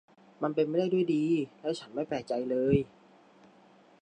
มันเป็นไปได้ด้วยดี และฉันไม่แปลกใจเลย